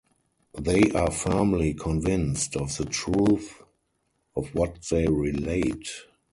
They are firmly convinced of the truth of what they relate.